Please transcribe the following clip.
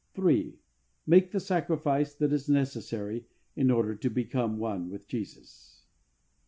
3. Make the sacrifice that is necessary in order to become one with Jesus.